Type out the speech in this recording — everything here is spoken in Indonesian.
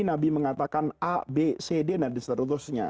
nabi mengatakan a b c d dan seterusnya